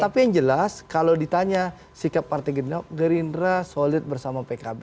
tapi yang jelas kalau ditanya sikap partai gerindra solid bersama pkb